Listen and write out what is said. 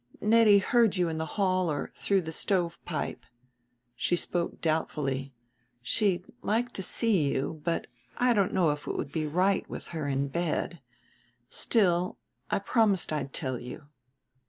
"Nettie heard you in the hall or through the stovepipe." She spoke doubtfully: "She'd like to see you, but I don't know if it would be right with her in bed. Still, I promised I'd tell you."